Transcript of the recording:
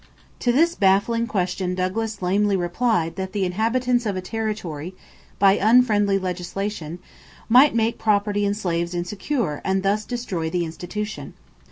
To this baffling question Douglas lamely replied that the inhabitants of a territory, by "unfriendly legislation," might make property in slaves insecure and thus destroy the institution.